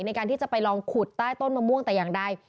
ในการที่จะไปลองขุดใต้ต้นมะม่วงแต่อย่างใด